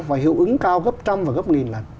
và hiệu ứng cao gấp trăm và gấp nghìn lần